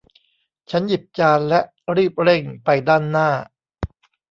ฉันหยิบจานและรีบเร่งไปด้านหน้า